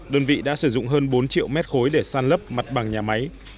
đơn vị đã sử dụng hơn bốn triệu mét khối để san lấp mặt bằng nhà máy